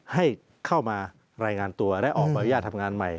ให้เข้ามาแรงงานตัวและออกมาวิวิทยาลัยทำงานใหม่